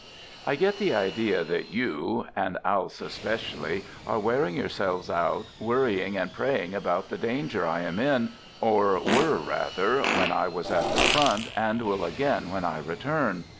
I get the idea that you — and Alee especially — are wearing yourselves out worrying and praying about the danger I am in, or were rather, when I was at the front, and will again when I return.